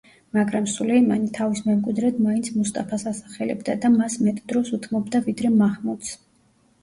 მაგრამ სულეიმანი თავის მემკვიდრედ მაინც მუსტაფას ასახელებდა და მას მეტ დროს უთმობდა ვიდრე მაჰმუდს.